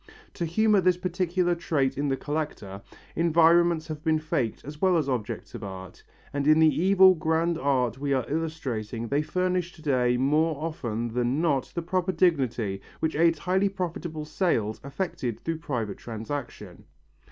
To humour this peculiar trait in the collector, environments have been faked as well as objects of art, and in the evil grand art we are illustrating they furnish to day more often than not the proper dignity which aids highly profitable sales effected through private transaction.